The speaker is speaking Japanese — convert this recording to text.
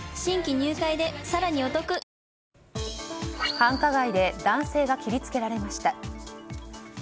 繁華街で男性が切り付けられました。